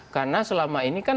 karena selama ini kan